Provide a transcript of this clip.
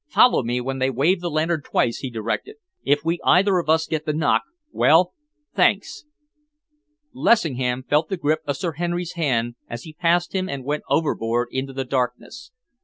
"Follow me when they wave the lantern twice," he directed. "If we either of us get the knock well, thanks!" Lessingham felt the grip of Sir Henry's hand as he passed him and went overboard into the darkness.